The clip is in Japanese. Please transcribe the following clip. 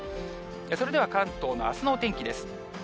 それでは関東のあすのお天気です。